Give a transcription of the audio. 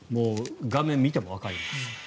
画面を見てもわかります。